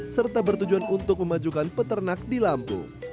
serta bertujuan untuk memajukan peternak di lampung